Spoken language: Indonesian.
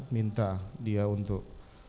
minta dia untuk